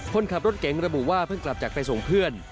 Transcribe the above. คนขับรถเก๋งระบุว่าเพิ่งกลับจากไปส่งเพื่อน